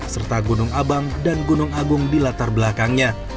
serta gunung abang dan gunung agung di latar belakangnya